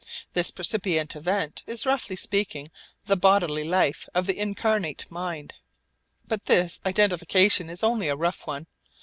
This percipient event is roughly speaking the bodily life of the incarnate mind. But this identification is only a rough one.